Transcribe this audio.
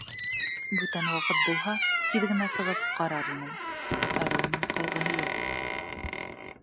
Бүтән ваҡыт булһа тиҙ генә сығып ҡарар инем, әле уның ҡайғыһы юҡ.